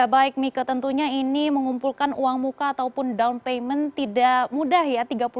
baik mika tentunya ini mengumpulkan uang muka ataupun down payment tidak mudah ya